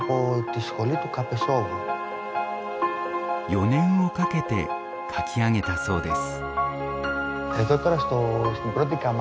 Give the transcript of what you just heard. ４年をかけて描き上げたそうです。